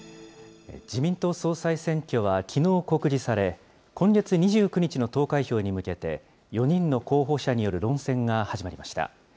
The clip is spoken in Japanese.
自民党総裁選挙はきのう告示され、今月２９日の投開票に向けて、４人の候補者による論戦が始まりました。